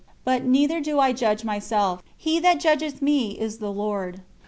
But neither do I judge myself. He that judgeth me is the Lord."